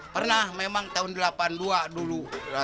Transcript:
pernah memang tahun delapan puluh dua dulu